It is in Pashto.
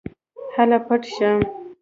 هله پټ شه.